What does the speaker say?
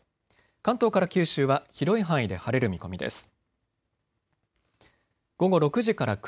関東から九州は広い範囲で晴れる見込みです。